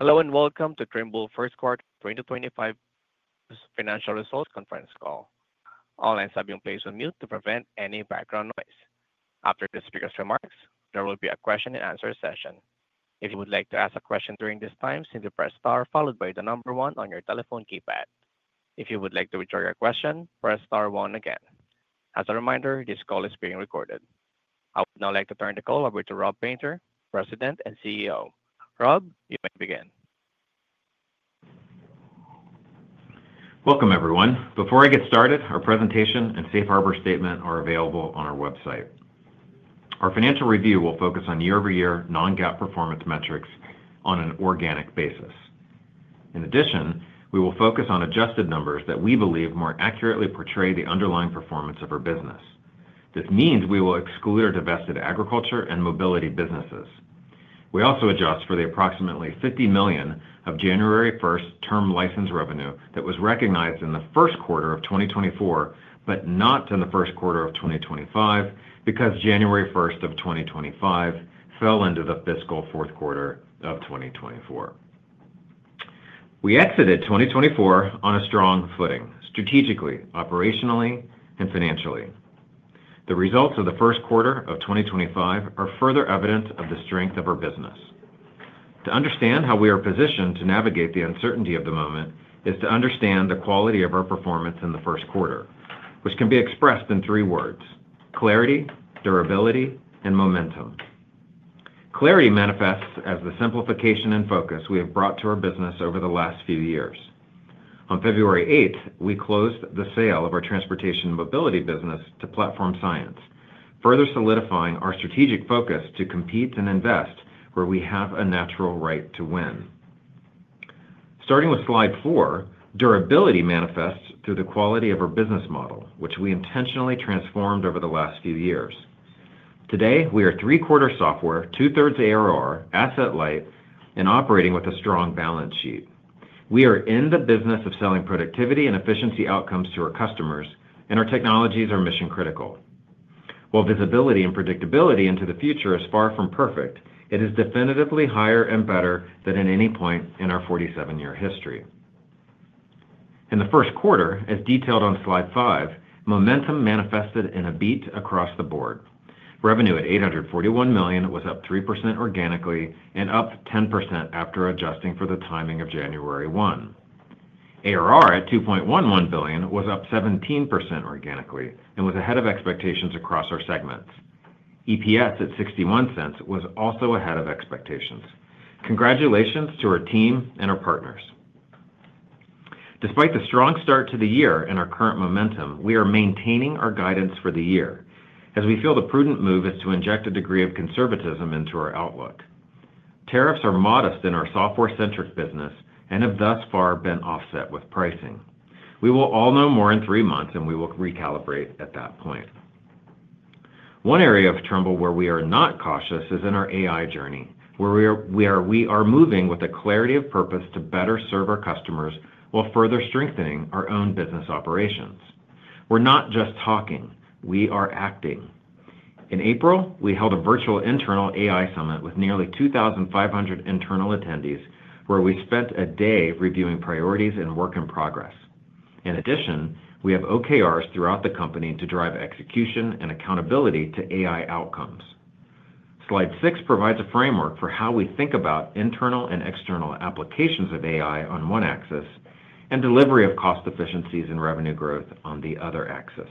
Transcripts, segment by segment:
Hello and welcome to Trimble First Quarter 2025 Financial Results Conference Call. All lines have been placed on mute to prevent any background noise. After the speaker's remarks, there will be a question-and-answer session. If you would like to ask a question during this time, simply press star followed by the number one on your telephone keypad. If you would like to withdraw your question, press star one again. As a reminder, this call is being recorded. I would now like to turn the call over to Rob Painter, President and CEO. Rob, you may begin. Welcome, everyone. Before I get started, our presentation and Safe Harbor Statement are available on our website. Our financial review will focus on year-over-year non-GAAP performance metrics on an organic basis. In addition, we will focus on adjusted numbers that we believe more accurately portray the underlying performance of our business. This means we will exclude our divested agriculture and mobility businesses. We also adjust for the approximately $50 million of January 1st term license revenue that was recognized in the first quarter of 2024 but not in the first quarter of 2025 because January 1st of 2025 fell into the fiscal fourth quarter of 2024. We exited 2024 on a strong footing, strategically, operationally, and financially. The results of the first quarter of 2025 are further evidence of the strength of our business. To understand how we are positioned to navigate the uncertainty of the moment is to understand the quality of our performance in the first quarter, which can be expressed in three words: clarity, durability, and momentum. Clarity manifests as the simplification and focus we have brought to our business over the last few years. On February 8th, we closed the sale of our transportation mobility business to Platform Science, further solidifying our strategic focus to compete and invest where we have a natural right to win. Starting with slide four, durability manifests through the quality of our business model, which we intentionally transformed over the last few years. Today, we are three-quarter software, two-thirds ARR, asset light, and operating with a strong balance sheet. We are in the business of selling productivity and efficiency outcomes to our customers, and our technologies are mission-critical. While visibility and predictability into the future is far from perfect, it is definitively higher and better than at any point in our 47-year history. In the first quarter, as detailed on slide five, momentum manifested in a beat across the board. Revenue at $841 million was up 3% organically and up 10% after adjusting for the timing of January 1. ARR at $2.11 billion was up 17% organically and was ahead of expectations across our segments. EPS at $0.61 was also ahead of expectations. Congratulations to our team and our partners. Despite the strong start to the year and our current momentum, we are maintaining our guidance for the year as we feel the prudent move is to inject a degree of conservatism into our outlook. Tariffs are modest in our software-centric business and have thus far been offset with pricing. We will all know more in three months, and we will recalibrate at that point. One area of Trimble where we are not cautious is in our AI journey, where we are moving with a clarity of purpose to better serve our customers while further strengthening our own business operations. We're not just talking; we are acting. In April, we held a virtual internal AI summit with nearly 2,500 internal attendees, where we spent a day reviewing priorities and work in progress. In addition, we have OKRs throughout the company to drive execution and accountability to AI outcomes. Slide six provides a framework for how we think about internal and external applications of AI on one axis and delivery of cost efficiencies and revenue growth on the other axis.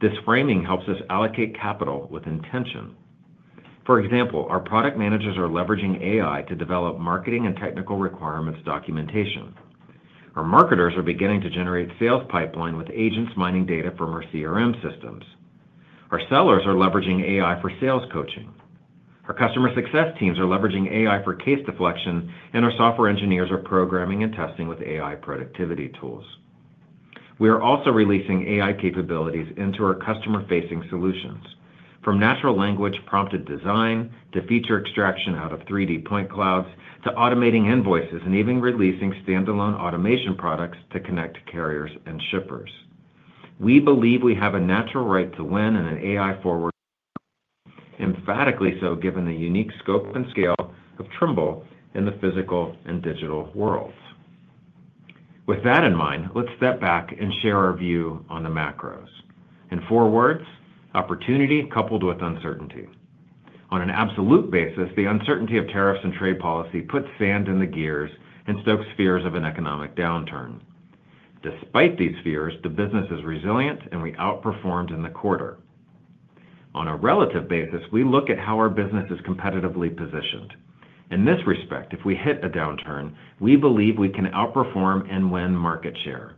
This framing helps us allocate capital with intention. For example, our product managers are leveraging AI to develop marketing and technical requirements documentation. Our marketers are beginning to generate sales pipeline with agents mining data from our CRM systems. Our sellers are leveraging AI for sales coaching. Our customer success teams are leveraging AI for case deflection, and our software engineers are programming and testing with AI productivity tools. We are also releasing AI capabilities into our customer-facing solutions, from natural language prompted design to feature extraction out of 3D point clouds to automating invoices and even releasing standalone automation products to connect carriers and shippers. We believe we have a natural right to win in an AI forward, emphatically so given the unique scope and scale of Trimble in the physical and digital worlds. With that in mind, let's step back and share our view on the macros. In four words, opportunity coupled with uncertainty. On an absolute basis, the uncertainty of tariffs and trade policy puts sand in the gears and stokes fears of an economic downturn. Despite these fears, the business is resilient, and we outperformed in the quarter. On a relative basis, we look at how our business is competitively positioned. In this respect, if we hit a downturn, we believe we can outperform and win market share.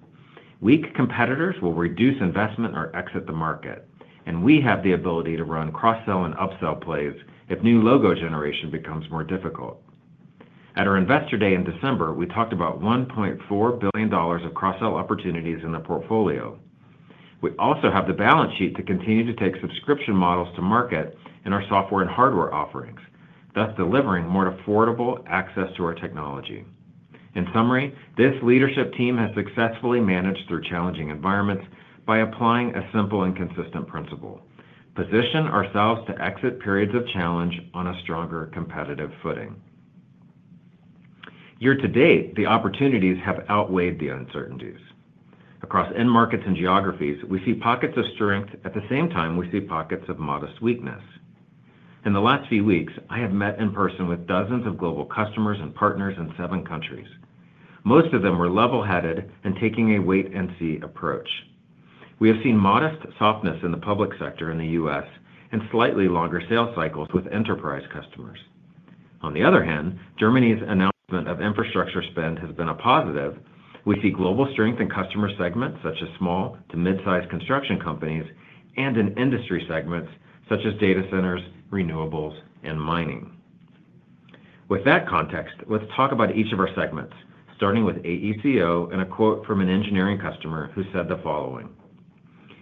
Weak competitors will reduce investment or exit the market, and we have the ability to run cross-sell and upsell plays if new logo generation becomes more difficult. At our investor day in December, we talked about $1.4 billion of cross-sell opportunities in the portfolio. We also have the balance sheet to continue to take subscription models to market in our software and hardware offerings, thus delivering more affordable access to our technology. In summary, this leadership team has successfully managed through challenging environments by applying a simple and consistent principle: position ourselves to exit periods of challenge on a stronger competitive footing. Year to date, the opportunities have outweighed the uncertainties. Across end markets and geographies, we see pockets of strength at the same time we see pockets of modest weakness. In the last few weeks, I have met in person with dozens of global customers and partners in seven countries. Most of them were level-headed and taking a wait-and-see approach. We have seen modest softness in the public sector in the U.S. and slightly longer sales cycles with enterprise customers. On the other hand, Germany's announcement of infrastructure spend has been a positive. We see global strength in customer segments such as small to mid-sized construction companies and in industry segments such as data centers, renewables, and mining. With that context, let's talk about each of our segments, starting with AECO and a quote from an engineering customer who said the following: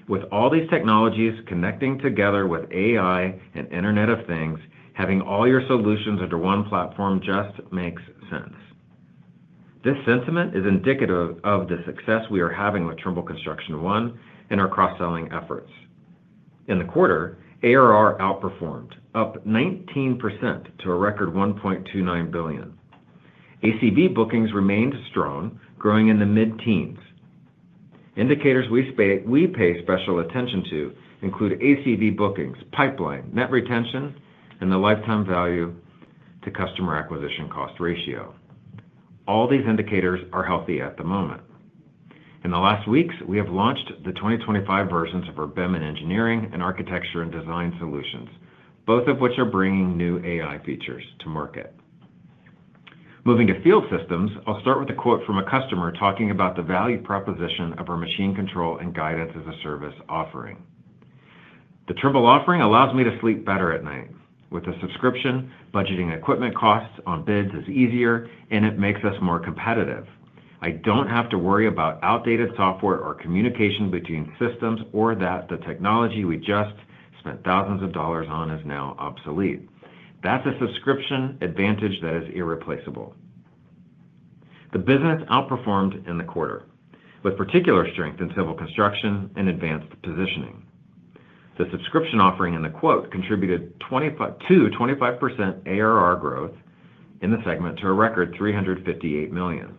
"With all these technologies connecting together with AI and Internet of Things, having all your solutions under one platform just makes sense." This sentiment is indicative of the success we are having with Trimble Construction One and our cross-selling efforts. In the quarter, ARR outperformed, up 19% to a record $1.29 billion. ACB bookings remained strong, growing in the mid-teens. Indicators we pay special attention to include ACB bookings, pipeline, net retention, and the lifetime value to customer acquisition cost ratio. All these indicators are healthy at the moment. In the last weeks, we have launched the 2025 versions of our BIM and engineering and architecture and design solutions, both of which are bringing new AI features to market. Moving to field systems, I'll start with a quote from a customer talking about the value proposition of our machine control and guidance as a service offering. "The Trimble offering allows me to sleep better at night. With a subscription, budgeting equipment costs on bids is easier, and it makes us more competitive. I don't have to worry about outdated software or communication between systems or that the technology we just spent thousands of dollars on is now obsolete. That's a subscription advantage that is irreplaceable." The business outperformed in the quarter, with particular strength in civil construction and advanced positioning. The subscription offering in the quote contributed 25% ARR growth in the segment to a record $358 million.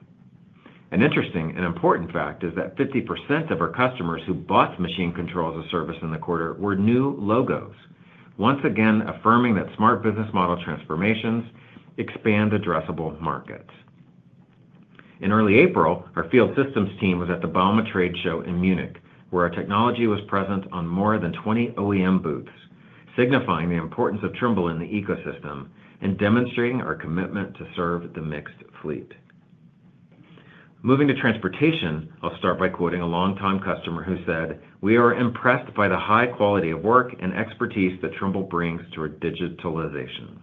An interesting and important fact is that 50% of our customers who bought machine controls as a service in the quarter were new logos, once again affirming that smart business model transformations expand addressable markets. In early April, our field systems team was at the Bauma Trade Show in Munich, where our technology was present on more than 20 OEM booths, signifying the importance of Trimble in the ecosystem and demonstrating our commitment to serve the mixed fleet. Moving to transportation, I'll start by quoting a longtime customer who said, "We are impressed by the high quality of work and expertise that Trimble brings to our digitalization."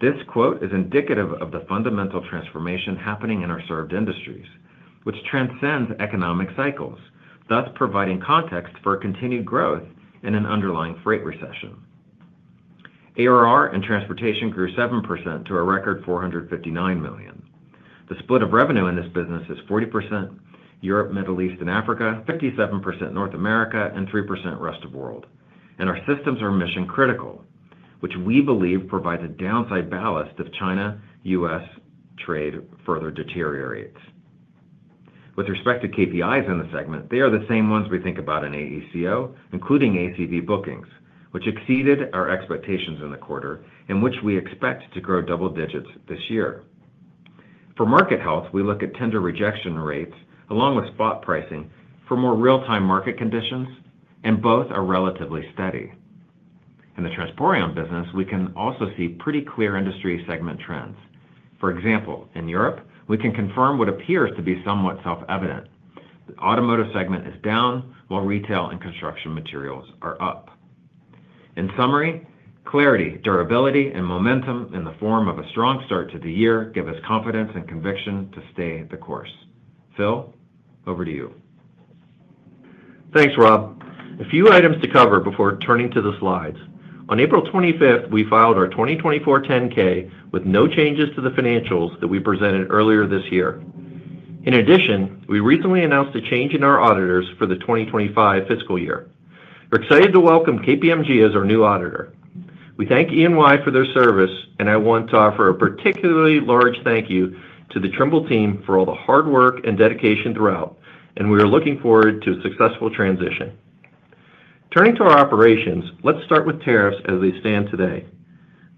This quote is indicative of the fundamental transformation happening in our served industries, which transcends economic cycles, thus providing context for continued growth in an underlying freight recession. ARR and transportation grew 7% to a record $459 million. The split of revenue in this business is 40% Europe, Middle East, and Africa, 57% North America, and 3% rest of world. Our systems are mission-critical, which we believe provides a downside ballast if China, U.S. trade further deteriorates. With respect to KPIs in the segment, they are the same ones we think about in AECO, including ACB bookings, which exceeded our expectations in the quarter and which we expect to grow double digits this year. For market health, we look at tender rejection rates along with spot pricing for more real-time market conditions, and both are relatively steady. In the transport business, we can also see pretty clear industry segment trends. For example, in Europe, we can confirm what appears to be somewhat self-evident. The automotive segment is down, while retail and construction materials are up. In summary, clarity, durability, and momentum in the form of a strong start to the year give us confidence and conviction to stay the course. Phil, over to you. Thanks, Rob. A few items to cover before turning to the slides. On April 25th, we filed our 2024 10-K with no changes to the financials that we presented earlier this year. In addition, we recently announced a change in our auditors for the 2025 fiscal year. We're excited to welcome KPMG as our new auditor. We thank Ernst & Young for their service, and I want to offer a particularly large thank you to the Trimble team for all the hard work and dedication throughout, and we are looking forward to a successful transition. Turning to our operations, let's start with tariffs as they stand today.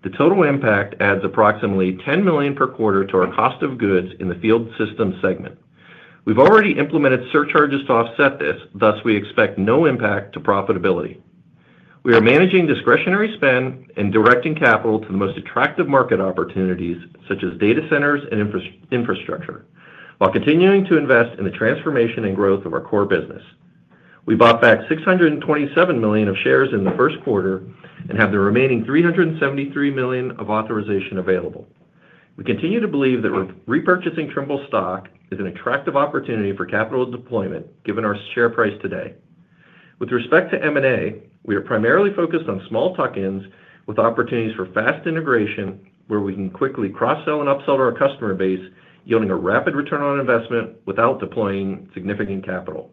The total impact adds approximately $10 million per quarter to our cost of goods in the field systems segment. We've already implemented surcharges to offset this, thus we expect no impact to profitability. We are managing discretionary spend and directing capital to the most attractive market opportunities, such as data centers and infrastructure, while continuing to invest in the transformation and growth of our core business. We bought back $627 million of shares in the first quarter and have the remaining $373 million of authorization available. We continue to believe that repurchasing Trimble stock is an attractive opportunity for capital deployment given our share price today. With respect to M&A, we are primarily focused on small tuck-ins with opportunities for fast integration where we can quickly cross-sell and upsell our customer base, yielding a rapid return on investment without deploying significant capital.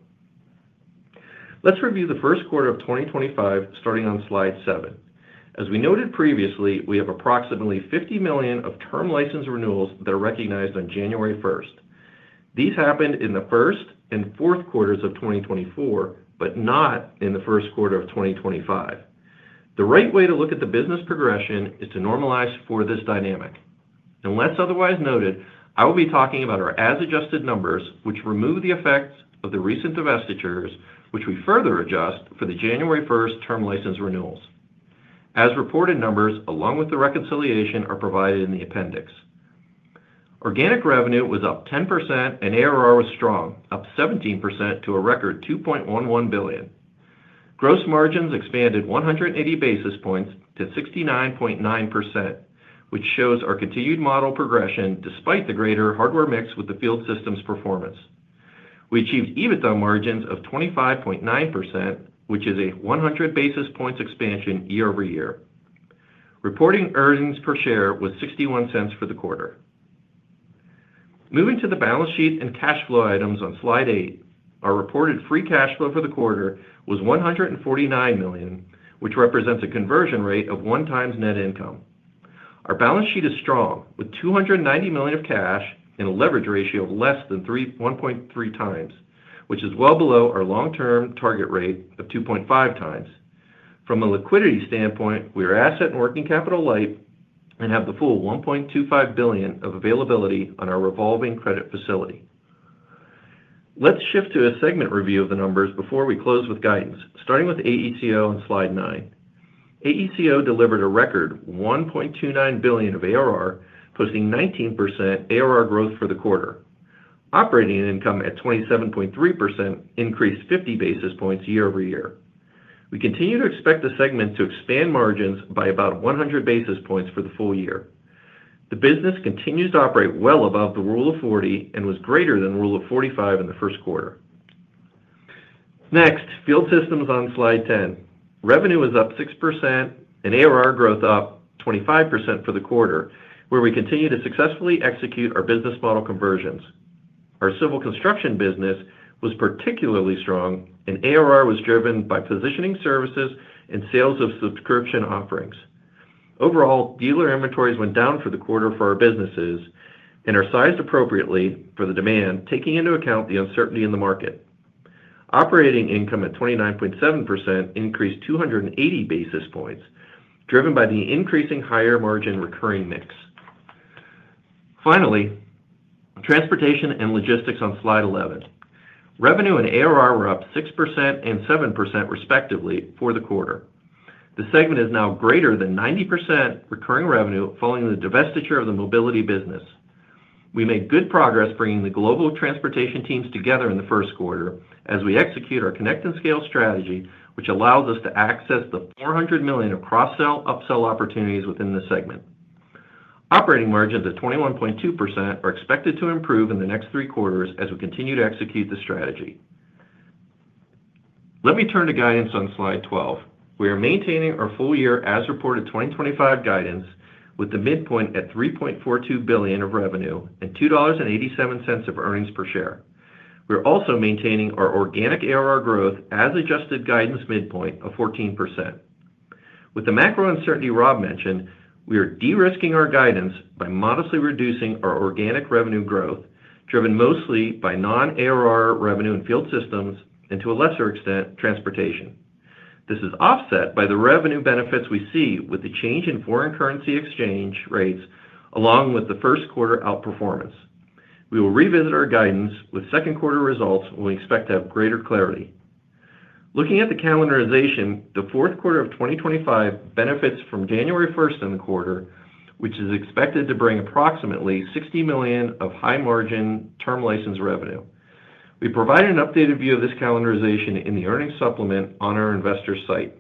Let's review the first quarter of 2025 starting on slide seven. As we noted previously, we have approximately $50 million of term license renewals that are recognized on January 1. These happened in the first and fourth quarters of 2024, but not in the first quarter of 2025. The right way to look at the business progression is to normalize for this dynamic. Unless otherwise noted, I will be talking about our as-adjusted numbers, which remove the effects of the recent divestitures, which we further adjust for the January 1st term license renewals. As reported numbers, along with the reconciliation, are provided in the appendix. Organic revenue was up 10%, and ARR was strong, up 17% to a record $2.11 billion. Gross margins expanded 180 basis points to 69.9%, which shows our continued model progression despite the greater hardware mix with the field systems performance. We achieved EBITDA margins of 25.9%, which is a 100 basis points expansion year over year. Reporting earnings per share was $0.61 for the quarter. Moving to the balance sheet and cash flow items on slide eight, our reported free cash flow for the quarter was $149 million, which represents a conversion rate of one times net income. Our balance sheet is strong with $290 million of cash and a leverage ratio of less than 1.3 times, which is well below our long-term target rate of 2.5 times. From a liquidity standpoint, we are asset and working capital light and have the full $1.25 billion of availability on our revolving credit facility. Let's shift to a segment review of the numbers before we close with guidance, starting with AECO on slide nine. AECO delivered a record $1.29 billion of ARR, posting 19% ARR growth for the quarter. Operating income at 27.3% increased 50 basis points year over year. We continue to expect the segment to expand margins by about 100 basis points for the full year. The business continues to operate well above the rule of 40 and was greater than the rule of 45 in the first quarter. Next, field systems on slide ten. Revenue is up 6% and ARR growth up 25% for the quarter, where we continue to successfully execute our business model conversions. Our civil construction business was particularly strong, and ARR was driven by positioning services and sales of subscription offerings. Overall, dealer inventories went down for the quarter for our businesses and are sized appropriately for the demand, taking into account the uncertainty in the market. Operating income at 29.7% increased 280 basis points, driven by the increasing higher margin recurring mix. Finally, transportation and logistics on slide 11. Revenue and ARR were up 6% and 7% respectively for the quarter. The segment is now greater than 90% recurring revenue following the divestiture of the mobility business. We made good progress bringing the global transportation teams together in the first quarter as we execute our connect and scale strategy, which allows us to access the $400 million of cross-sell/upsell opportunities within the segment. Operating margins at 21.2% are expected to improve in the next three quarters as we continue to execute the strategy. Let me turn to guidance on slide 12. We are maintaining our full year as reported 2025 guidance with the midpoint at $3.42 billion of revenue and $2.87 of earnings per share. We are also maintaining our organic ARR growth as adjusted guidance midpoint of 14%. With the macro uncertainty Rob mentioned, we are de-risking our guidance by modestly reducing our organic revenue growth, driven mostly by non-ARR revenue in field systems and to a lesser extent transportation. This is offset by the revenue benefits we see with the change in foreign currency exchange rates along with the first quarter outperformance. We will revisit our guidance with second quarter results when we expect to have greater clarity. Looking at the calendarization, the fourth quarter of 2025 benefits from January 1st in the quarter, which is expected to bring approximately $60 million of high-margin term license revenue. We provide an updated view of this calendarization in the earnings supplement on our investor site.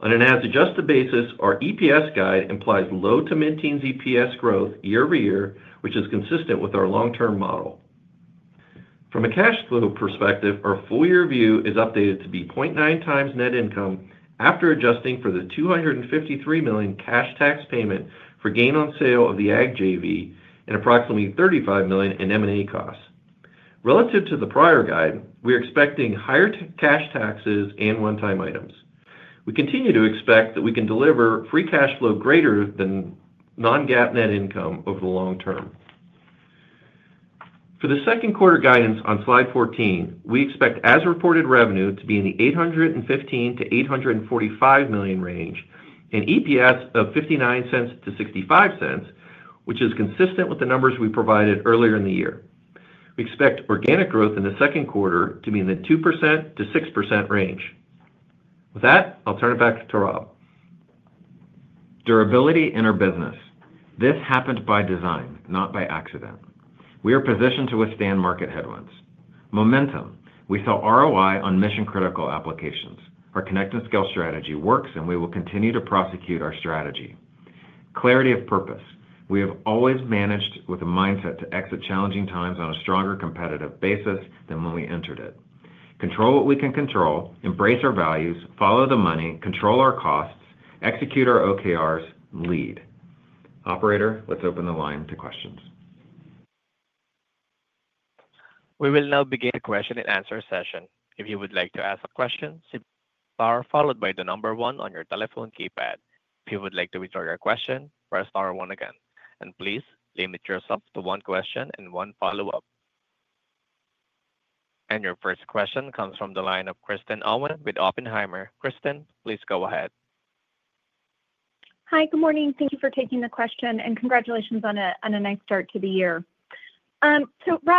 On an as-adjusted basis, our EPS guide implies low to mid-teens EPS growth year over year, which is consistent with our long-term model. From a cash flow perspective, our full year view is updated to be $0.9 times net income after adjusting for the $253 million cash tax payment for gain on sale of the Ag JV and approximately $35 million in M&A costs. Relative to the prior guide, we are expecting higher cash taxes and one-time items. We continue to expect that we can deliver free cash flow greater than non-GAAP net income over the long term. For the second quarter guidance on slide 14, we expect as reported revenue to be in the $815-$845 million range and EPS of $0.59-$0.65, which is consistent with the numbers we provided earlier in the year. We expect organic growth in the second quarter to be in the 2%-6% range. With that, I'll turn it back to Rob. Durability in our business. This happened by design, not by accident. We are positioned to withstand market headwinds. Momentum. We saw ROI on mission-critical applications. Our connect and scale strategy works, and we will continue to prosecute our strategy. Clarity of purpose. We have always managed with a mindset to exit challenging times on a stronger competitive basis than when we entered it. Control what we can control, embrace our values, follow the money, control our costs, execute our OKRs, lead. Operator, let's open the line to questions. We will now begin a question and answer session. If you would like to ask a question, star followed by the number one on your telephone keypad. If you would like to withdraw your question, press star one again. Please limit yourself to one question and one follow-up. Your first question comes from the line of Kristen Owen with Oppenheimer. Kristen, please go ahead. Hi, good morning. Thank you for taking the question, and congratulations on a nice start to the year. Rob,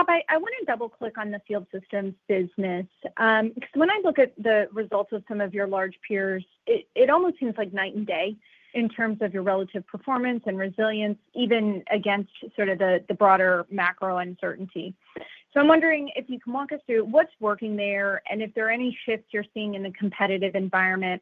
I want to double-click on the field systems business because when I look at the results of some of your large peers, it almost seems like night and day in terms of your relative performance and resilience, even against sort of the broader macro uncertainty. I am wondering if you can walk us through what is working there and if there are any shifts you are seeing in the competitive environment.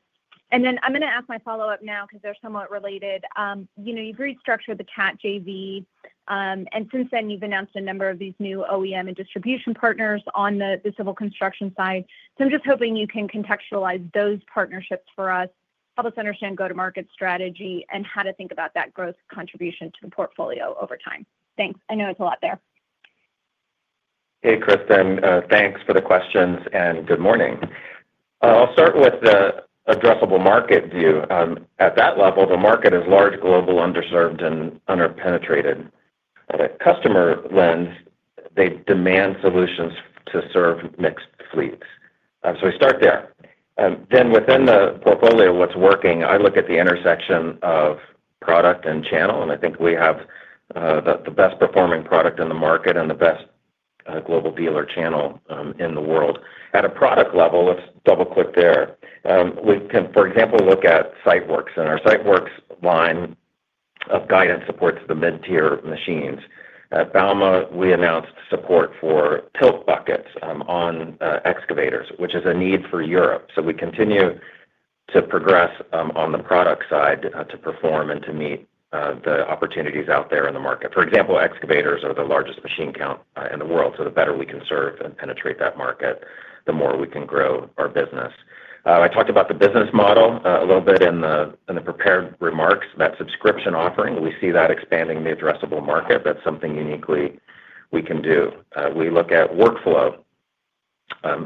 I am going to ask my follow-up now because they are somewhat related. You have restructured the Cat JV, and since then, you have announced a number of these new OEM and distribution partners on the civil construction side. I'm just hoping you can contextualize those partnerships for us, help us understand go-to-market strategy, and how to think about that growth contribution to the portfolio over time. Thanks. I know it's a lot there. Hey, Kristen. Thanks for the questions, and good morning. I'll start with the addressable market view. At that level, the market is large, global, underserved, and underpenetrated. At a customer lens, they demand solutions to serve mixed fleets. We start there. Within the portfolio, what's working, I look at the intersection of product and channel, and I think we have the best-performing product in the market and the best global dealer channel in the world. At a product level, let's double-click there. We can, for example, look at SiteWorks, and our SiteWorks line of guidance supports the mid-tier machines. At Bauma, we announced support for tilt buckets on excavators, which is a need for Europe. We continue to progress on the product side to perform and to meet the opportunities out there in the market. For example, excavators are the largest machine count in the world, so the better we can serve and penetrate that market, the more we can grow our business. I talked about the business model a little bit in the prepared remarks. That subscription offering, we see that expanding the addressable market. That's something uniquely we can do. We look at workflow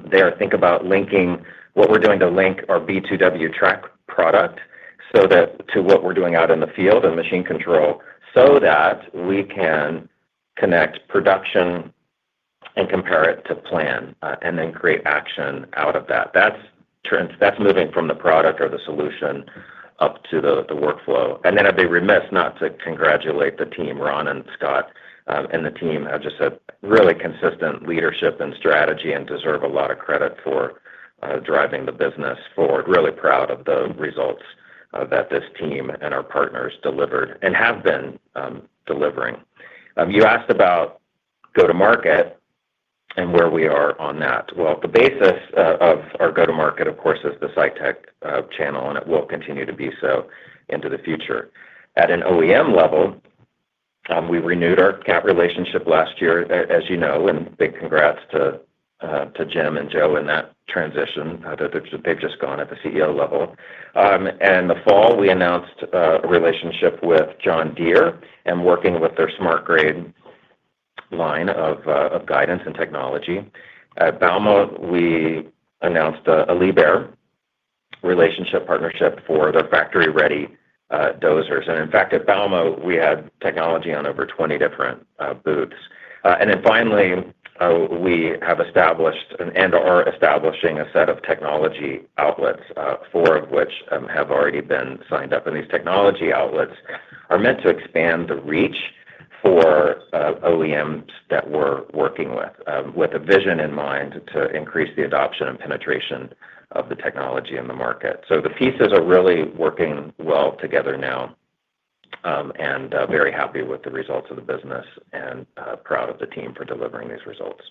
there. Think about linking what we're doing to link our B2W Track product to what we're doing out in the field and machine control, so that we can connect production and compare it to plan and then create action out of that. That's moving from the product or the solution up to the workflow. I would be remiss not to congratulate the team, Ron and Scott and the team. I've just said really consistent leadership and strategy and deserve a lot of credit for driving the business forward. Really proud of the results that this team and our partners delivered and have been delivering. You asked about go-to-market and where we are on that. The basis of our go-to-market, of course, is the SITECH channel, and it will continue to be so into the future. At an OEM level, we renewed our Caterpillar relationship last year, as you know, and big congrats to Jim and Joe in that transition. They have just gone at the CEO level. In the fall, we announced a relationship with John Deere and working with their smart grade line of guidance and technology. At Bauma, we announced a Liebherr relationship partnership for their factory-ready dozers. In fact, at Bauma, we had technology on over 20 different booths. Finally, we have established and are establishing a set of technology outlets, four of which have already been signed up. These technology outlets are meant to expand the reach for OEMs that we're working with, with a vision in mind to increase the adoption and penetration of the technology in the market. The pieces are really working well together now and very happy with the results of the business and proud of the team for delivering these results.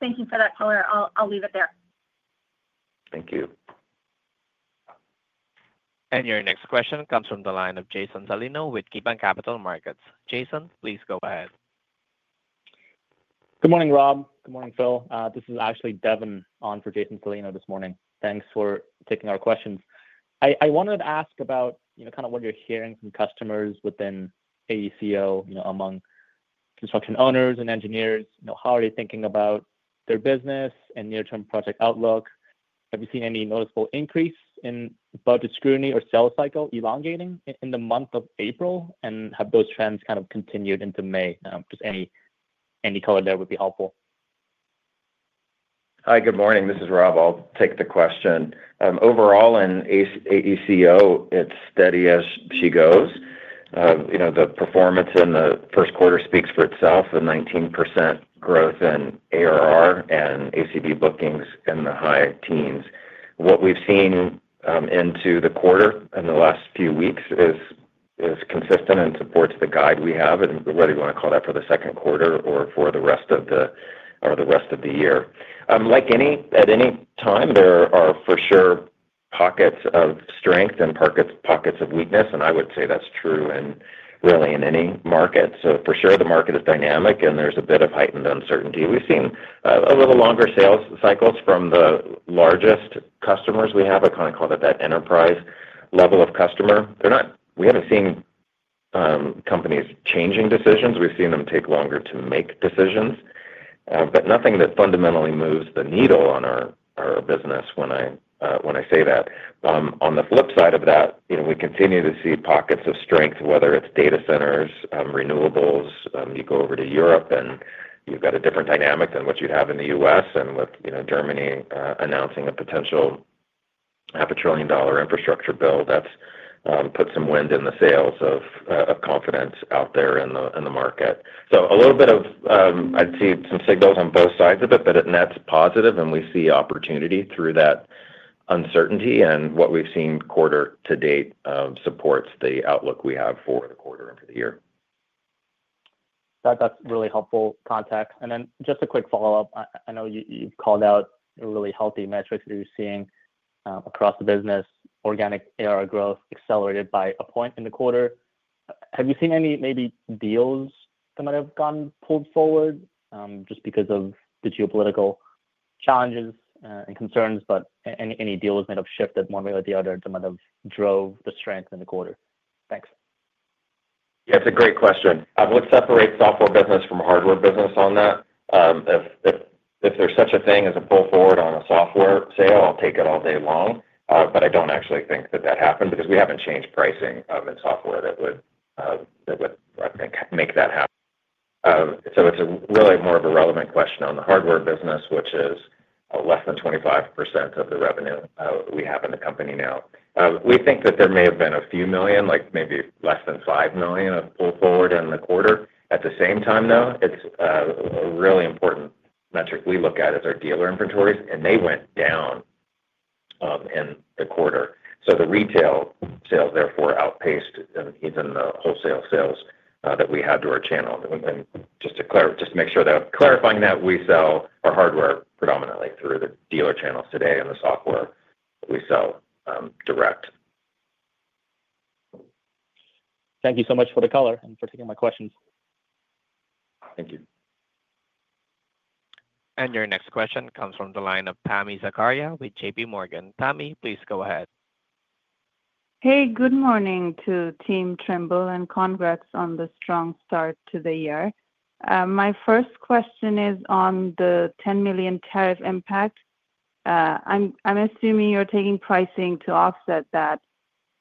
Thank you for that, Paul. I'll leave it there. Thank you. Your next question comes from the line of Jason Salino with Keefe, Bruyette & Woods. Jason, please go ahead. Good morning, Rob. Good morning, Phil. This is actually Devon on for Jason Salino this morning. Thanks for taking our questions. I wanted to ask about kind of what you're hearing from customers within AECO, among construction owners and engineers. How are they thinking about their business and near-term project outlook? Have you seen any noticeable increase in budget scrutiny or sales cycle elongating in the month of April? Have those trends kind of continued into May? Just any color there would be helpful. Hi, good morning. This is Rob. I'll take the question. Overall, in AECO, it's steady as she goes. The performance in the first quarter speaks for itself: a 19% growth in ARR and ACB bookings in the high teens. What we've seen into the quarter in the last few weeks is consistent and supports the guide we have, whether you want to call that for the second quarter or for the rest of the year. Like at any time, there are for sure pockets of strength and pockets of weakness, and I would say that's true really in any market. For sure, the market is dynamic, and there's a bit of heightened uncertainty. We've seen a little longer sales cycles from the largest customers we have. I kind of call that that enterprise level of customer. We haven't seen companies changing decisions. We've seen them take longer to make decisions, but nothing that fundamentally moves the needle on our business when I say that. On the flip side of that, we continue to see pockets of strength, whether it's data centers, renewables. You go over to Europe, and you've got a different dynamic than what you'd have in the U.S., and with Germany announcing a potential half a trillion dollar infrastructure bill, that's put some wind in the sails of confidence out there in the market. A little bit of, I'd say, some signals on both sides of it, but that's positive, and we see opportunity through that uncertainty. What we've seen quarter to date supports the outlook we have for the quarter and for the year. That's really helpful context. Just a quick follow-up. I know you've called out really healthy metrics that you're seeing across the business: organic ARR growth accelerated by a point in the quarter. Have you seen any maybe deals that might have gotten pulled forward just because of the geopolitical challenges and concerns, but any deals might have shifted one way or the other that might have drove the strength in the quarter? Thanks. Yeah, it's a great question. I would separate software business from hardware business on that. If there's such a thing as a pull forward on a software sale, I'll take it all day long, but I don't actually think that that happened because we haven't changed pricing in software that would, I think, make that happen. It's really more of a relevant question on the hardware business, which is less than 25% of the revenue we have in the company now. We think that there may have been a few million, like maybe less than $5 million of pull forward in the quarter. At the same time, though, a really important metric we look at is our dealer inventories, and they went down in the quarter. The retail sales, therefore, outpaced even the wholesale sales that we had to our channel. Just to make sure that I'm clarifying that, we sell our hardware predominantly through the dealer channels today, and the software we sell direct. Thank you so much for the color and for taking my questions. Thank you. Your next question comes from the line of Tami Zakaria with J.P. Morgan. Tami, please go ahead. Hey, good morning to Team Trimble and congrats on the strong start to the year. My first question is on the $10 million tariff impact. I'm assuming you're taking pricing to offset that.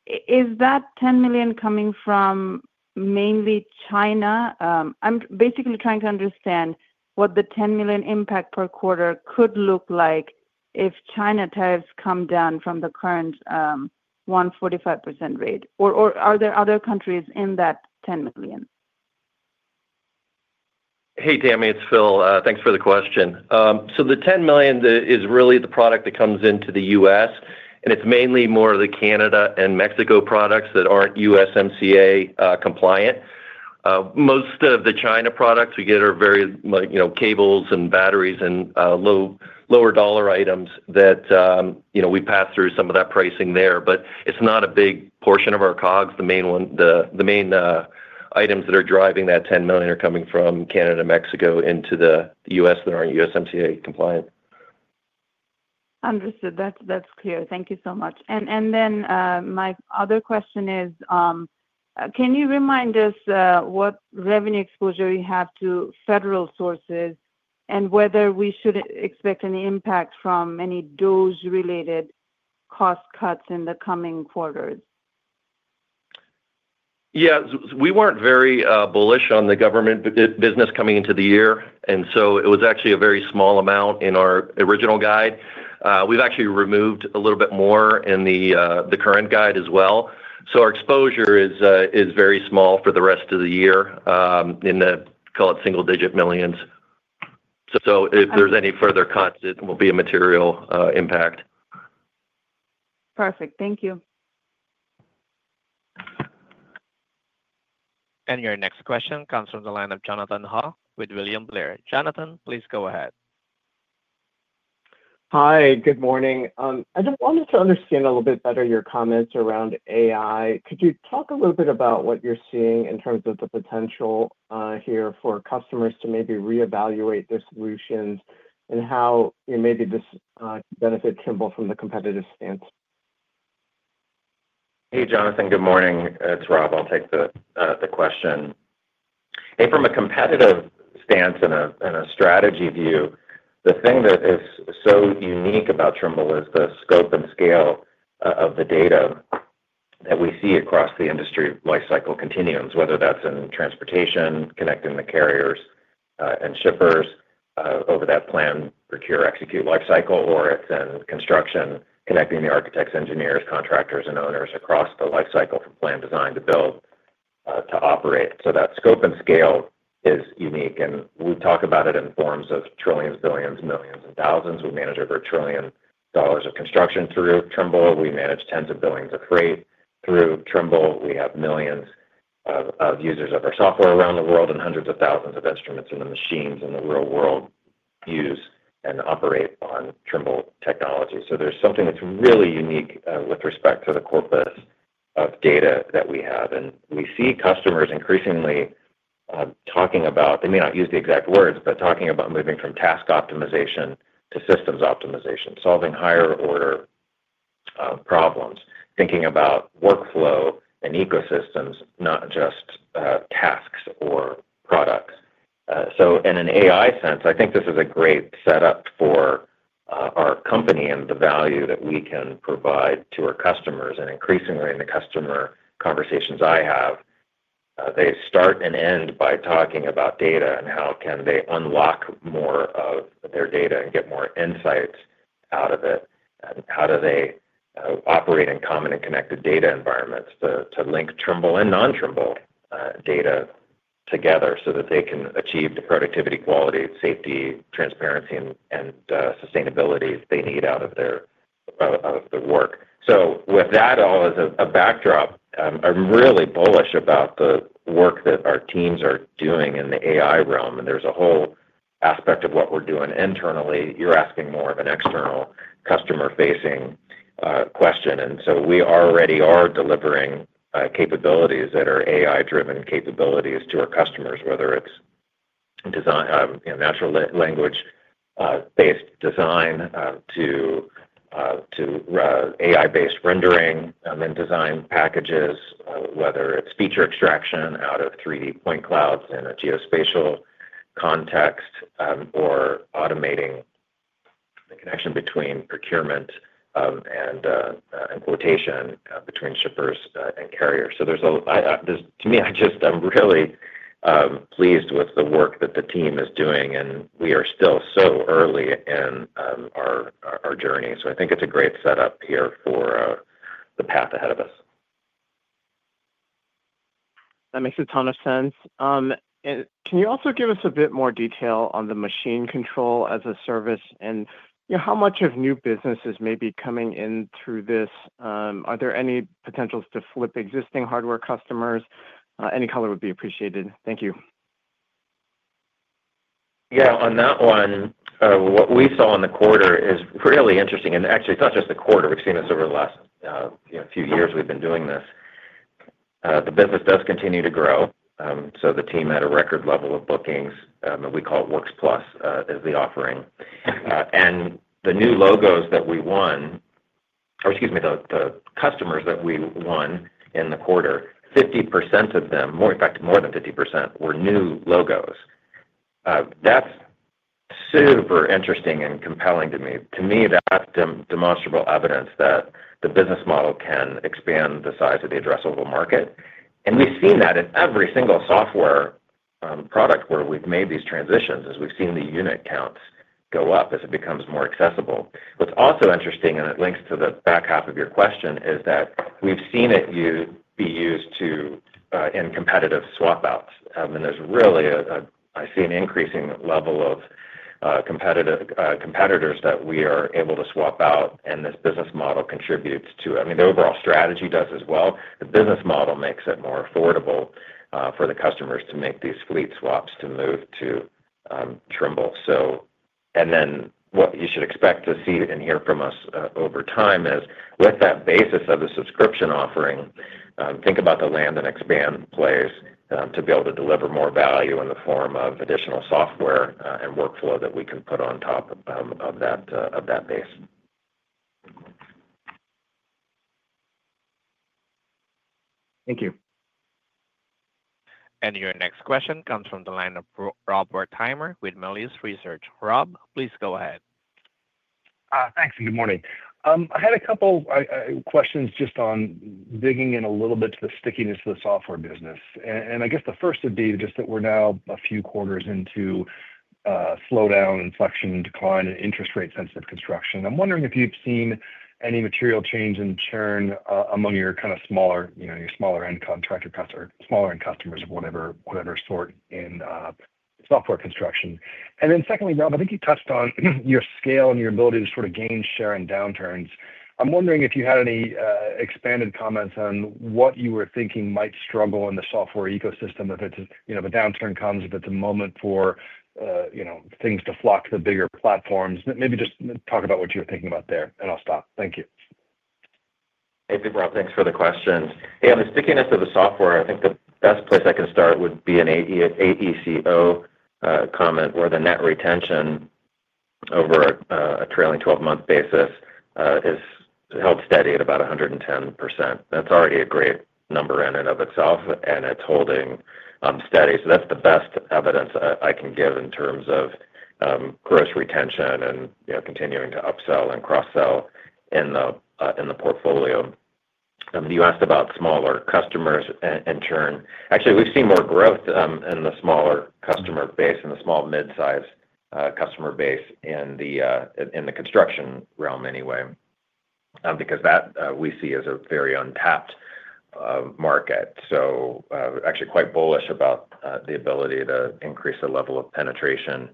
Is that $10 million coming from mainly China? I'm basically trying to understand what the $10 million impact per quarter could look like if China tariffs come down from the current 145% rate, or are there other countries in that $10 million? Hey, Tami, it's Phil. Thanks for the question. The $10 million is really the product that comes into the U.S., and it's mainly more of the Canada and Mexico products that aren't USMCA compliant. Most of the China products we get are really cables and batteries and lower dollar items that we pass through some of that pricing there, but it's not a big portion of our COGS. The main items that are driving that $10 million are coming from Canada, Mexico into the U.S. that aren't USMCA compliant. Understood. That's clear. Thank you so much. My other question is, can you remind us what revenue exposure we have to federal sources and whether we should expect any impact from any dose-related cost cuts in the coming quarters? Yeah. We were not very bullish on the government business coming into the year, and it was actually a very small amount in our original guide. We have actually removed a little bit more in the current guide as well. Our exposure is very small for the rest of the year in the, call it, single-digit millions. If there are any further cuts, it will be a material impact. Perfect. Thank you. Your next question comes from the line of Jonathan Ho with William Blair. Jonathan, please go ahead. Hi, good morning. I just wanted to understand a little bit better your comments around AI. Could you talk a little bit about what you're seeing in terms of the potential here for customers to maybe reevaluate their solutions and how maybe this benefits Trimble from the competitive stance? Hey, Jonathan, good morning. It's Rob. I'll take the question. From a competitive stance and a strategy view, the thing that is so unique about Trimble is the scope and scale of the data that we see across the industry life cycle continuums, whether that's in transportation, connecting the carriers and shippers over that plan, procure, execute life cycle, or it's in construction, connecting the architects, engineers, contractors, and owners across the life cycle from plan, design, to build, to operate. That scope and scale is unique, and we talk about it in forms of trillions, billions, millions, and thousands. We manage over $1 trillion of construction through Trimble. We manage tens of billions of freight through Trimble. We have millions of users of our software around the world and hundreds of thousands of instruments and the machines in the real world use and operate on Trimble technology. There is something that is really unique with respect to the corpus of data that we have. We see customers increasingly talking about—they may not use the exact words—talking about moving from task optimization to systems optimization, solving higher-order problems, thinking about workflow and ecosystems, not just tasks or products. In an AI sense, I think this is a great setup for our company and the value that we can provide to our customers. Increasingly, in the customer conversations I have, they start and end by talking about data and how can they unlock more of their data and get more insights out of it, and how do they operate in common and connected data environments to link Trimble and non-Trimble data together so that they can achieve the productivity, quality, safety, transparency, and sustainability they need out of their work. With that all as a backdrop, I'm really bullish about the work that our teams are doing in the AI realm. There's a whole aspect of what we're doing internally. You're asking more of an external customer-facing question. We already are delivering capabilities that are AI-driven capabilities to our customers, whether it's natural language-based design to AI-based rendering and design packages, whether it's feature extraction out of 3D point clouds in a geospatial context, or automating the connection between procurement and quotation between shippers and carriers. To me, I'm really pleased with the work that the team is doing, and we are still so early in our journey. I think it's a great setup here for the path ahead of us. That makes a ton of sense. Can you also give us a bit more detail on the machine control as a service and how much of new business is maybe coming in through this? Are there any potentials to flip existing hardware customers? Any color would be appreciated. Thank you. Yeah, on that one, what we saw in the quarter is really interesting. Actually, it's not just the quarter. We've seen this over the last few years we've been doing this. The business does continue to grow. The team had a record level of bookings. We call it Works Plus as the offering. The new logos that we won, or excuse me, the customers that we won in the quarter, 50% of them, in fact, more than 50%, were new logos. That's super interesting and compelling to me. To me, that's demonstrable evidence that the business model can expand the size of the addressable market. We've seen that in every single software product where we've made these transitions, as we've seen the unit counts go up as it becomes more accessible. What's also interesting, and it links to the back half of your question, is that we've seen it be used in competitive swap-outs. There's really, I see an increasing level of competitors that we are able to swap out, and this business model contributes to it. I mean, the overall strategy does as well. The business model makes it more affordable for the customers to make these fleet swaps to move to Trimble. What you should expect to see and hear from us over time is, with that basis of the subscription offering, think about the land and expand plays to be able to deliver more value in the form of additional software and workflow that we can put on top of that base. Thank you. Your next question comes from the line of Rob Wertheimer with Melius Research. Rob, please go ahead. Thanks. Good morning. I had a couple of questions just on digging in a little bit to the stickiness of the software business. I guess the first would be just that we're now a few quarters into slow down, inflection, decline, and interest-rate-sensitive construction. I'm wondering if you've seen any material change in churn among your kind of smaller-end contractor customers, smaller-end customers of whatever sort in software construction. Secondly, Rob, I think you touched on your scale and your ability to sort of gain share in downturns. I'm wondering if you had any expanded comments on what you were thinking might struggle in the software ecosystem if the downturn comes, if it's a moment for things to flock to the bigger platforms. Maybe just talk about what you're thinking about there, and I'll stop. Thank you. Hey, Rob, thanks for the question. Yeah, the stickiness of the software, I think the best place I can start would be an AECO comment where the net retention over a trailing 12-month basis is held steady at about 110%. That's already a great number in and of itself, and it's holding steady. That's the best evidence I can give in terms of gross retention and continuing to upsell and cross-sell in the portfolio. You asked about smaller customers in turn. Actually, we've seen more growth in the smaller customer base and the small-mid-size customer base in the construction realm anyway, because that we see as a very untapped market. Actually quite bullish about the ability to increase the level of penetration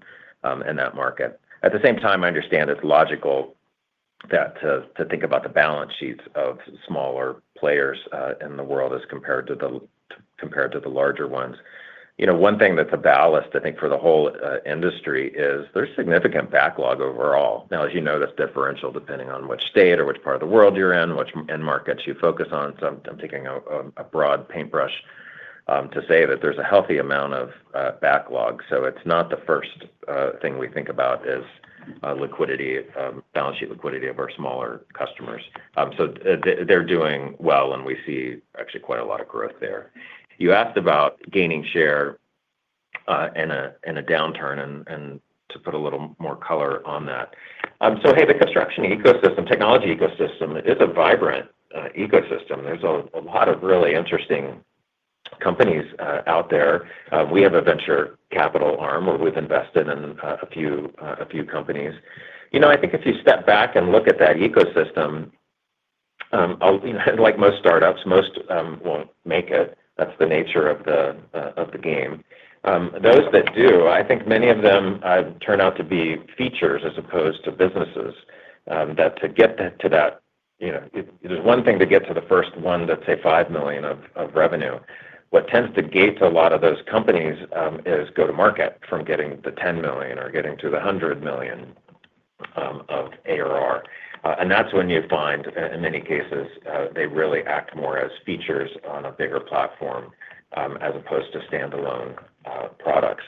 in that market. At the same time, I understand it's logical to think about the balance sheets of smaller players in the world as compared to the larger ones. One thing that's a ballast, I think, for the whole industry is there's significant backlog overall. Now, as you know, that's differential depending on which state or which part of the world you're in, which end markets you focus on. I'm taking a broad paintbrush to say that there's a healthy amount of backlog. It's not the first thing we think about is balance sheet liquidity of our smaller customers. They're doing well, and we see actually quite a lot of growth there. You asked about gaining share in a downturn and to put a little more color on that. The construction ecosystem, technology ecosystem is a vibrant ecosystem. There's a lot of really interesting companies out there. We have a venture capital arm where we've invested in a few companies. I think if you step back and look at that ecosystem, like most startups, most won't make it. That's the nature of the game. Those that do, I think many of them turn out to be features as opposed to businesses that to get to that, there's one thing to get to the first one that's a $5 million of revenue. What tends to gate a lot of those companies is go-to-market from getting the $10 million or getting to the $100 million of ARR. That's when you find, in many cases, they really act more as features on a bigger platform as opposed to standalone products.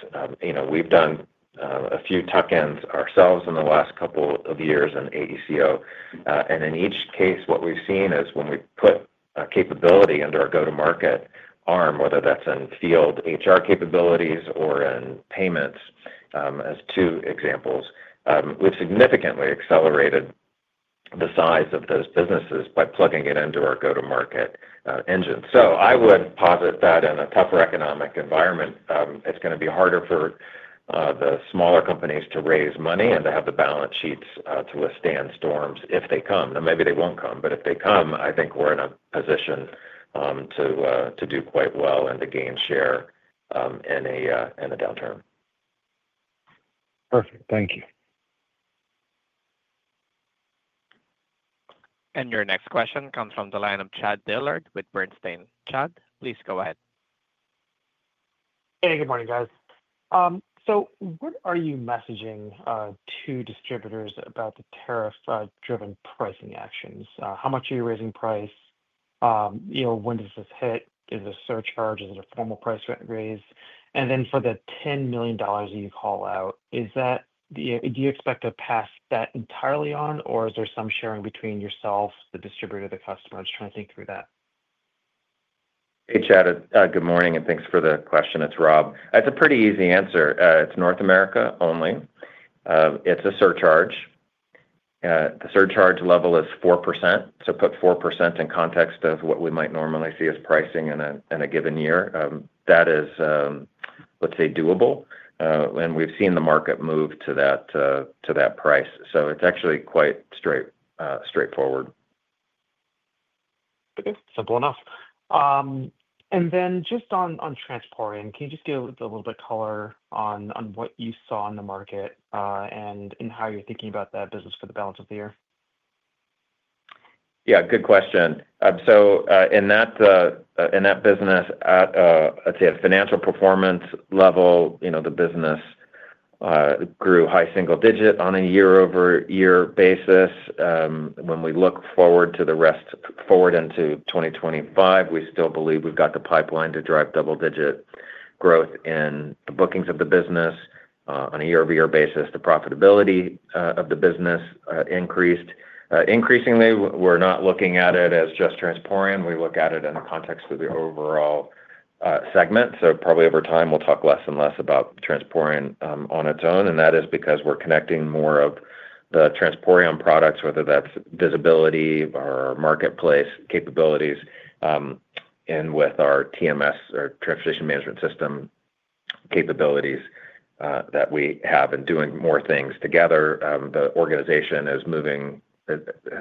We've done a few tuck-ins ourselves in the last couple of years in AECO. In each case, what we've seen is when we put a capability under our go-to-market arm, whether that's in field HR capabilities or in payments, as two examples, we've significantly accelerated the size of those businesses by plugging it into our go-to-market engine. I would posit that in a tougher economic environment, it's going to be harder for the smaller companies to raise money and to have the balance sheets to withstand storms if they come. Now, maybe they won't come, but if they come, I think we're in a position to do quite well and to gain share in a downturn. Perfect. Thank you. Your next question comes from the line of Chad Dillard with Bernstein. Chad, please go ahead. Hey, good morning, guys. What are you messaging to distributors about the tariff-driven pricing actions? How much are you raising price? When does this hit? Is it a surcharge? Is it a formal price raise? For the $10 million that you call out, do you expect to pass that entirely on, or is there some sharing between yourself, the distributor, the customer? Just trying to think through that. Hey, Chad. Good morning, and thanks for the question. It's Rob. It's a pretty easy answer. It's North America only. It's a surcharge. The surcharge level is 4%. Put 4% in context of what we might normally see as pricing in a given year. That is, let's say, doable. We've seen the market move to that price. It's actually quite straightforward. Okay. Simple enough. Just on transporting, can you just give a little bit of color on what you saw in the market and how you're thinking about that business for the balance of the year? Yeah, good question. In that business, let's say at financial performance level, the business grew high single-digit on a year-over-year basis. When we look forward to the rest forward into 2025, we still believe we've got the pipeline to drive double-digit growth in the bookings of the business. On a year-over-year basis, the profitability of the business increased. Increasingly, we're not looking at it as just transporting. We look at it in the context of the overall segment. Probably over time, we'll talk less and less about transporting on its own. That is because we're connecting more of the transporting products, whether that's visibility or marketplace capabilities, in with our TMS, our transportation management system capabilities that we have and doing more things together. The organization has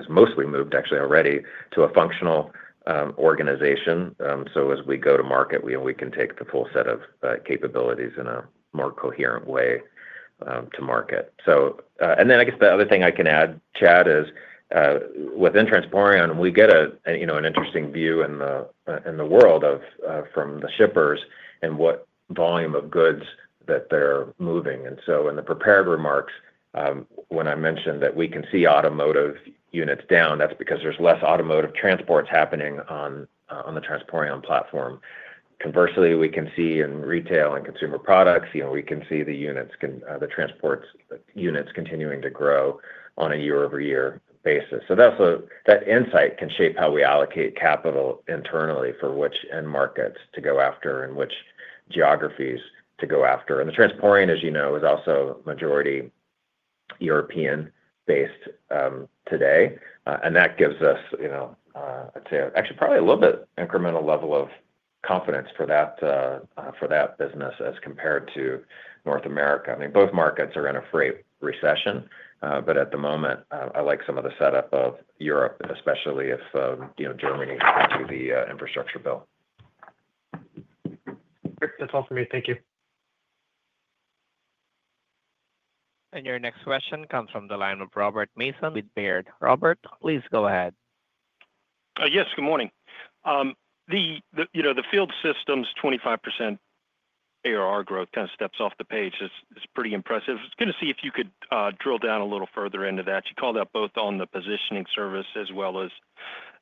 mostly moved, actually, already to a functional organization. As we go to market, we can take the full set of capabilities in a more coherent way to market. I guess the other thing I can add, Chad, is within transporting, we get an interesting view in the world from the shippers and what volume of goods that they're moving. In the prepared remarks, when I mentioned that we can see automotive units down, that's because there's less automotive transports happening on the transporting platform. Conversely, we can see in retail and consumer products, we can see the transport units continuing to grow on a year-over-year basis. That insight can shape how we allocate capital internally for which end markets to go after and which geographies to go after. The transporting, as you know, is also majority European-based today. That gives us, I'd say, actually probably a little bit incremental level of confidence for that business as compared to North America. I mean, both markets are in a freight recession, but at the moment, I like some of the setup of Europe, especially if Germany had to do the infrastructure bill. That's all for me. Thank you. Your next question comes from the line of Robert Mason with Baird. Robert, please go ahead. Yes, good morning. The field systems' 25% ARR growth kind of steps off the page. It's pretty impressive. I was going to see if you could drill down a little further into that. You called out both on the positioning service as well as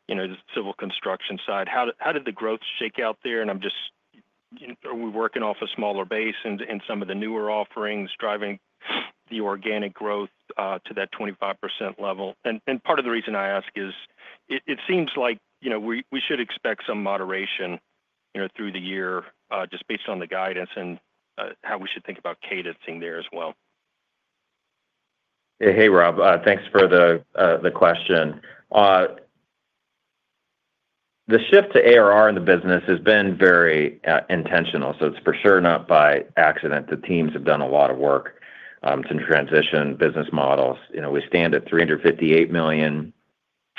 the civil construction side. How did the growth shake out there? Are we working off a smaller base in some of the newer offerings, driving the organic growth to that 25% level? Part of the reason I ask is it seems like we should expect some moderation through the year just based on the guidance and how we should think about cadencing there as well. Hey, Rob. Thanks for the question. The shift to ARR in the business has been very intentional. It's for sure not by accident. The teams have done a lot of work to transition business models. We stand at $358 million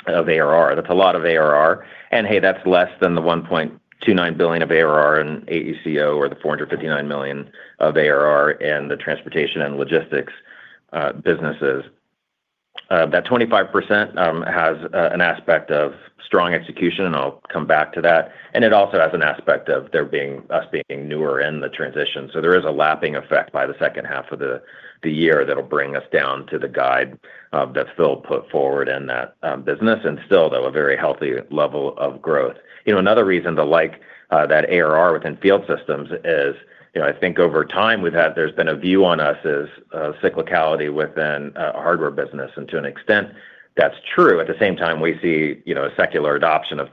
of ARR. That's a lot of ARR. That's less than the $1.29 billion of ARR in AECO or the $459 million of ARR in the transportation and logistics businesses. That 25% has an aspect of strong execution, and I'll come back to that. It also has an aspect of us being newer in the transition. There is a lapping effect by the second half of the year that'll bring us down to the guide that Phil put forward in that business. Still, though, a very healthy level of growth. Another reason to like that ARR within field systems is I think over time there's been a view on us as cyclicality within a hardware business. And to an extent, that's true. At the same time, we see a secular adoption of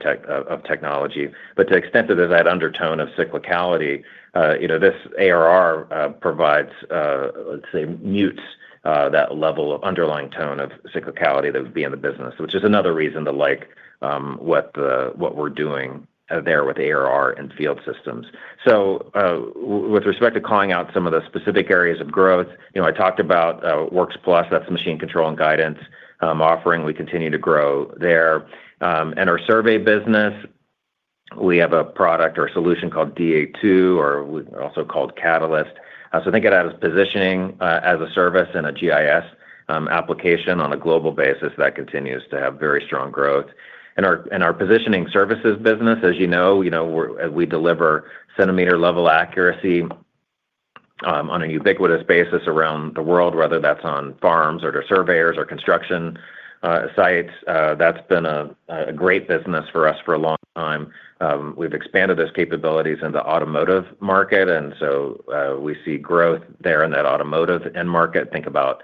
technology. To the extent that there's that undertone of cyclicality, this ARR provides, let's say, mutes that level of underlying tone of cyclicality that would be in the business, which is another reason to like what we're doing there with ARR in field systems. With respect to calling out some of the specific areas of growth, I talked about Works Plus. That's machine control and guidance offering. We continue to grow there. In our survey business, we have a product or a solution called DA2, or also called Catalyst. Think of that as positioning as a service in a GIS application on a global basis that continues to have very strong growth. In our positioning services business, as you know, we deliver centimeter-level accuracy on a ubiquitous basis around the world, whether that's on farms or surveyors or construction sites. That's been a great business for us for a long time. We've expanded those capabilities in the automotive market, and we see growth there in that automotive end market. Think about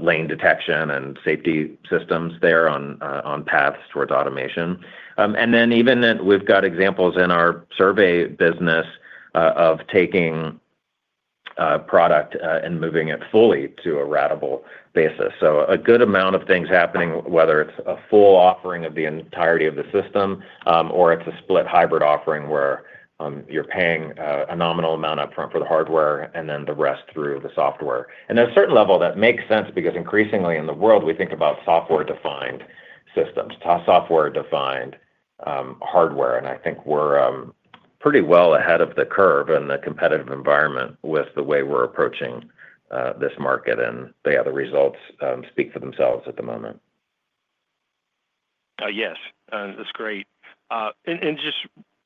lane detection and safety systems there on paths towards automation. Even we've got examples in our survey business of taking product and moving it fully to a ratable basis. A good amount of things happening, whether it's a full offering of the entirety of the system or it's a split hybrid offering where you're paying a nominal amount upfront for the hardware and then the rest through the software. At a certain level, that makes sense because increasingly in the world, we think about software-defined systems, software-defined hardware. I think we're pretty well ahead of the curve in the competitive environment with the way we're approaching this market, and the other results speak for themselves at the moment. Yes. That's great.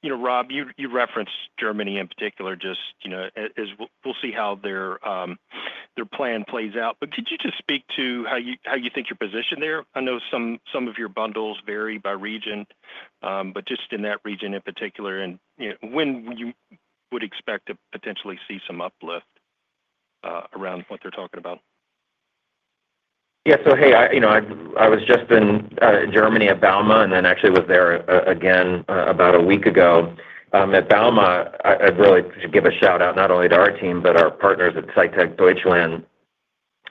Rob, you referenced Germany in particular. We'll see how their plan plays out. Could you just speak to how you think you're positioned there? I know some of your bundles vary by region, but just in that region in particular, when you would expect to potentially see some uplift around what they're talking about? Yeah. Hey, I was just in Germany at Bauma, and then actually was there again about a week ago. At Bauma, I'd really give a shout-out not only to our team, but our partners at SITECH Deutschland.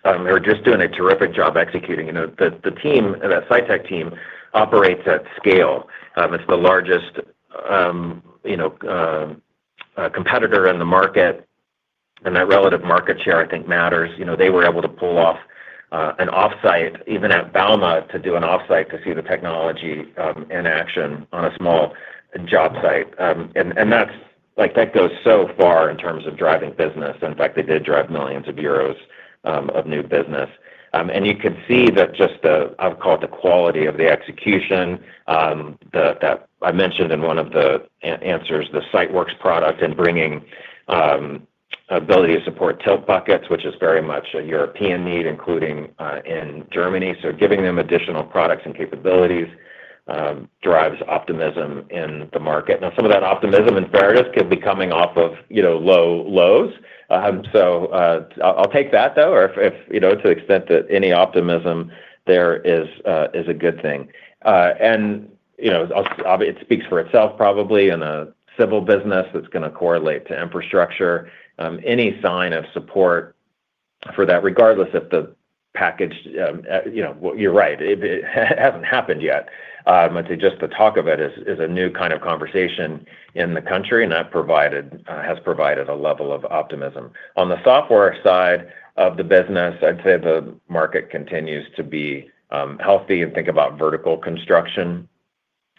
They're just doing a terrific job executing. The SITECH team operates at scale. It's the largest competitor in the market, and that relative market share, I think, matters. They were able to pull off an off-site, even at Bauma, to do an off-site to see the technology in action on a small job site. That goes so far in terms of driving business. In fact, they did drive millions of euros of new business. You can see that just, I'll call it the quality of the execution that I mentioned in one of the answers, the SiteWorks product and bringing ability to support tilt buckets, which is very much a European need, including in Germany. Giving them additional products and capabilities drives optimism in the market. Now, some of that optimism in fairness could be coming off of low lows. I'll take that, though, to the extent that any optimism there is a good thing. It speaks for itself, probably, in a civil business that's going to correlate to infrastructure. Any sign of support for that, regardless if the package, you're right. It hasn't happened yet. I'd say just the talk of it is a new kind of conversation in the country, and that has provided a level of optimism. On the software side of the business, I'd say the market continues to be healthy. Think about vertical construction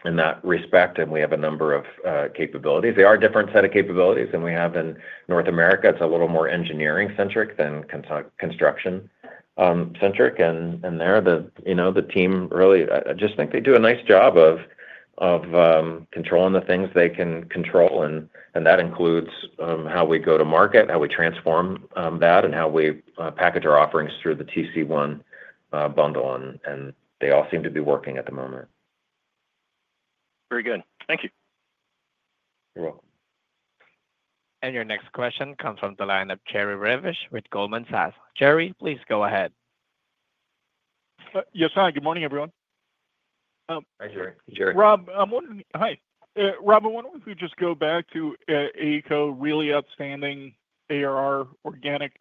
in that respect, and we have a number of capabilities. They are a different set of capabilities than we have in North America. It's a little more engineering-centric than construction-centric. There, the team really, I just think they do a nice job of controlling the things they can control. That includes how we go to market, how we transform that, and how we package our offerings through the TC1 bundle. They all seem to be working at the moment. Very good. Thank you. You're welcome. Your next question comes from the line of Jerry Revich with Goldman Sachs. Jerry, please go ahead. Yes, hi. Good morning, everyone. Hi, Jerry. Rob, I wonder if we just go back to AECO, really outstanding ARR, organic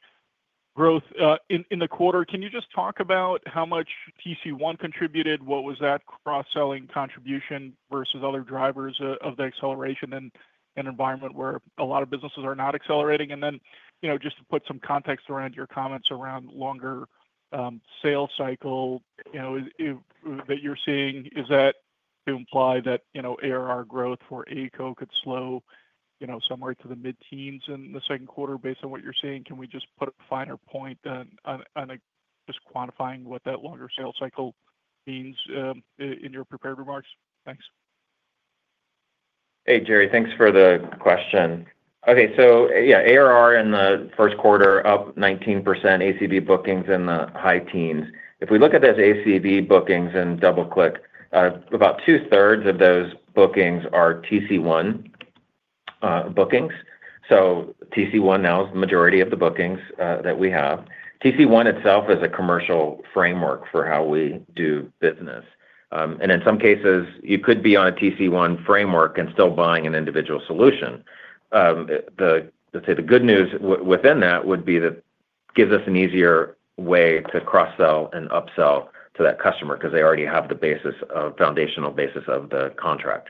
growth in the quarter. Can you just talk about how much TC1 contributed? What was that cross-selling contribution versus other drivers of the acceleration in an environment where a lot of businesses are not accelerating? Just to put some context around your comments around longer sales cycle that you're seeing, is that to imply that ARR growth for AECO could slow somewhere to the mid-teens in the second quarter based on what you're seeing? Can we just put a finer point on just quantifying what that longer sales cycle means in your prepared remarks? Thanks. Hey, Jerry. Thanks for the question. Okay. ARR in the first quarter up 19%, ACB bookings in the high teens. If we look at those ACB bookings and double-click, about two-thirds of those bookings are TC1 bookings. TC1 now is the majority of the bookings that we have. TC1 itself is a commercial framework for how we do business. In some cases, you could be on a TC1 framework and still buying an individual solution. Let's say the good news within that would be that it gives us an easier way to cross-sell and upsell to that customer because they already have the foundational basis of the contract.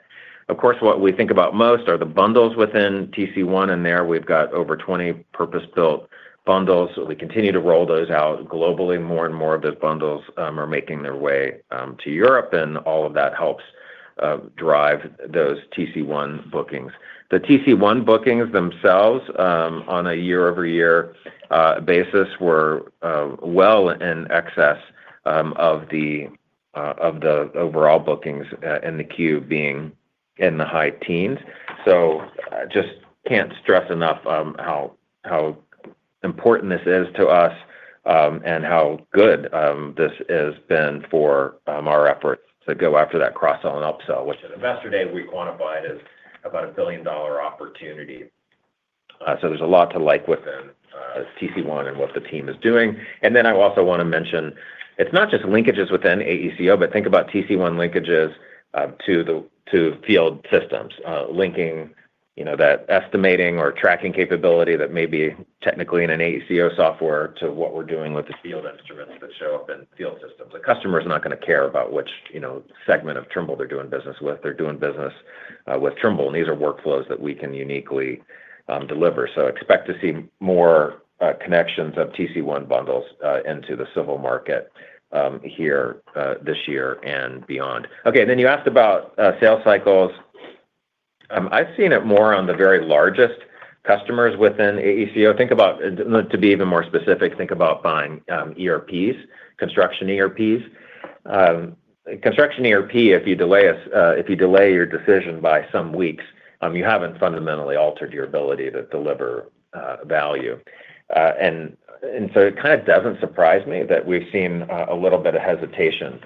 Of course, what we think about most are the bundles within TC1. There we've got over 20 purpose-built bundles. We continue to roll those out globally. More and more of those bundles are making their way to Europe, and all of that helps drive those TC1 bookings. The TC1 bookings themselves, on a year-over-year basis, were well in excess of the overall bookings in the queue being in the high teens. I just can't stress enough how important this is to us and how good this has been for our efforts to go after that cross-sell and upsell, which at Investor Day, we quantified as about a billion-dollar opportunity. There is a lot to like within TC1 and what the team is doing. I also want to mention it's not just linkages within AECO, but think about TC1 linkages to field systems, linking that estimating or tracking capability that may be technically in an AECO software to what we're doing with the field instruments that show up in field systems. A customer is not going to care about which segment of Trimble they're doing business with. They're doing business with Trimble. These are workflows that we can uniquely deliver. Expect to see more connections of TC1 bundles into the civil market here this year and beyond. You asked about sales cycles. I've seen it more on the very largest customers within AECO. To be even more specific, think about buying ERPs, construction ERPs. Construction ERP, if you delay your decision by some weeks, you haven't fundamentally altered your ability to deliver value. It kind of doesn't surprise me that we've seen a little bit of hesitation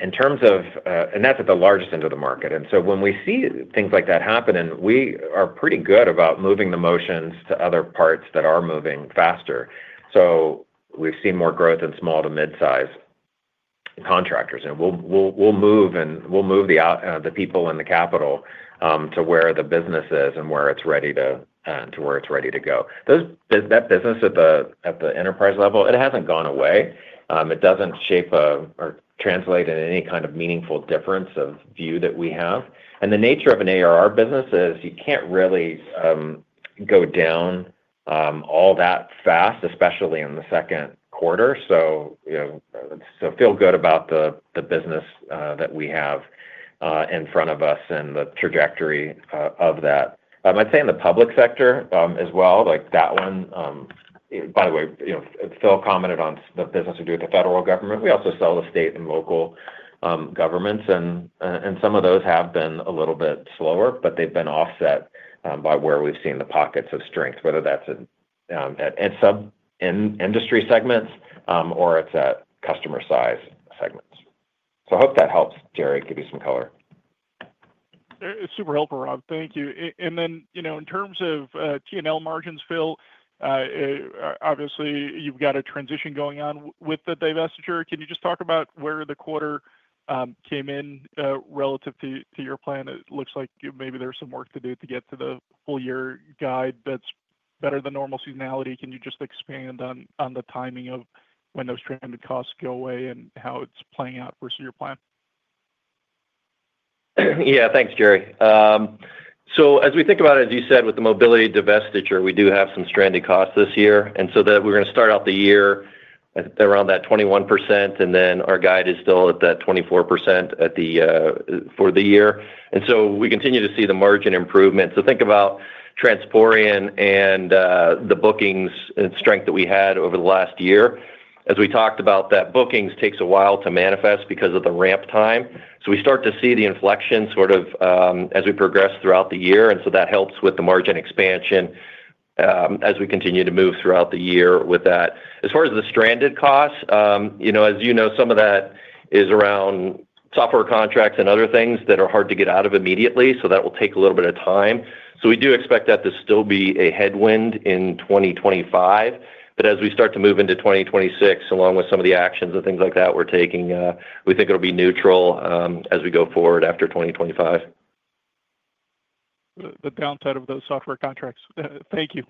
in terms of, and that's at the largest end of the market. When we see things like that happen, we are pretty good about moving the motions to other parts that are moving faster. We've seen more growth in small to mid-size contractors. We'll move the people and the capital to where the business is and where it's ready to go. That business at the enterprise level, it hasn't gone away. It doesn't shape or translate in any kind of meaningful difference of view that we have. The nature of an ARR business is you can't really go down all that fast, especially in the second quarter. Feel good about the business that we have in front of us and the trajectory of that. I'd say in the public sector as well, that one, by the way, Phil commented on the business we do with the federal government. We also sell to state and local governments. Some of those have been a little bit slower, but they've been offset by where we've seen the pockets of strength, whether that's at industry segments or it's at customer-size segments. I hope that helps, Jerry, give you some color. It's super helpful, Rob. Thank you. In terms of T&L margins, Phil, obviously, you've got a transition going on with the Dave S& Jerry. Can you just talk about where the quarter came in relative to your plan? It looks like maybe there's some work to do to get to the full-year guide that's better than normal seasonality. Can you just expand on the timing of when those trending costs go away and how it's playing out versus your plan? Yeah. Thanks, Jerry. As we think about it, as you said, with the mobility divestiture, we do have some stranded costs this year. We are going to start out the year around that 21%, and our guide is still at that 24% for the year. We continue to see the margin improvement. Think about Transporean and the bookings and strength that we had over the last year. As we talked about, bookings take a while to manifest because of the ramp time. We start to see the inflection sort of as we progress throughout the year. That helps with the margin expansion as we continue to move throughout the year with that. As far as the stranded costs, as you know, some of that is around software contracts and other things that are hard to get out of immediately. That will take a little bit of time. We do expect that to still be a headwind in 2025. As we start to move into 2026, along with some of the actions and things like that we're taking, we think it'll be neutral as we go forward after 2025. The downside of those software contracts. Thank you.